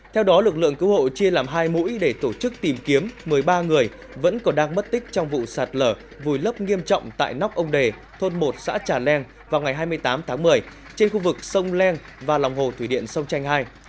theo đó lực lượng cứu hộ chia làm hai mũi để tổ chức tìm kiếm một mươi ba người vẫn còn đang mất tích trong vụ sạt lở vùi lấp nghiêm trọng tại nóc ông đề thôn một xã trà leng vào ngày hai mươi tám tháng một mươi trên khu vực sông leng và lòng hồ thủy điện sông tranh hai